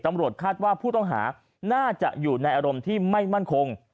ตำรวจคาดว่าผู้ต้องหาน่าจะอยู่ในอารมณ์ที่ไม่มั่นคง